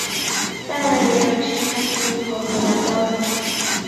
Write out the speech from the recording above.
当然也有其它定义和衡量标准。